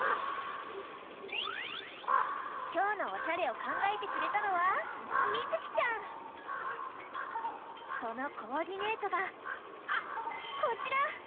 きょうのおしゃれをかんがえてくれたのはそのコーディネートがこちら！